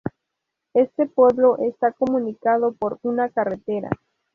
Este pueblo está comunicado por una carretera.